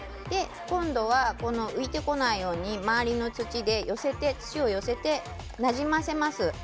今度は浮いてこないように周りの土で寄せてなじませます。